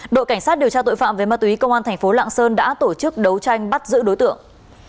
đội cảnh sát điều tra tội phạm về ma túy công an thành phố lạng sơn đã tổ chức đấu tranh bắt giữ đối tượng